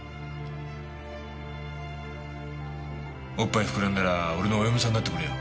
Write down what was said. おっぱい膨らんだら俺のお嫁さんになってくれよ。